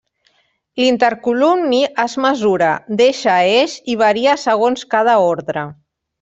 L'intercolumni es mesura d'eix a eix i varia segons cada ordre.